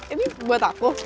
ini buat aku